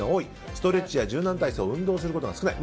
ストレッチや柔軟体操運動をすることが少ない。